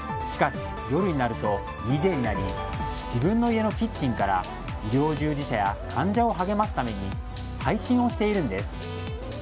しかし、夜になるとＤＪになり自分の家のキッチンから医療従事者や患者を励ますために配信をしているんです。